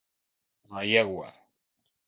A la llegua.